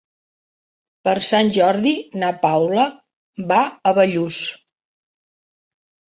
Per Sant Jordi na Paula va a Bellús.